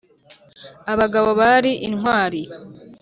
Abagabo bari intwari